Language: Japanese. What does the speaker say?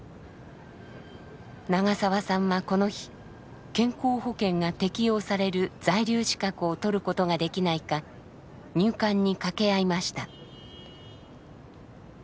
長澤さんはこの日健康保険が適用される在留資格を取ることができないか入管に掛け合いました。